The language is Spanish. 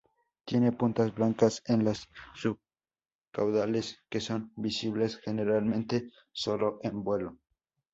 Tiene puntas blancas en las subcaudales que son visibles generalmente solo en vuelo.